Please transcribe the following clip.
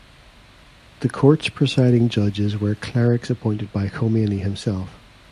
The courts presiding judges were clerics appointed by Khomeini himself.